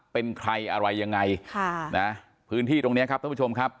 เป็นใครอะไรยังไงค่ะนะพื้นที่ตรงเนี้ยครับท่านผู้ชมครับ